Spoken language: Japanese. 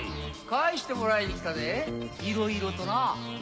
返してもらいに来たぜいろいろとな。